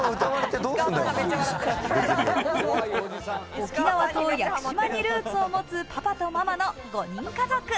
沖縄と屋久島にルーツを持つパパとママの５人家族。